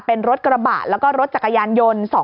เป็นรถกระบะแล้วก็รถจักรยานยนต์